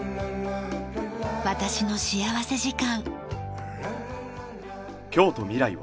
『私の幸福時間』。